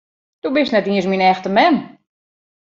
Do bist net iens myn echte mem!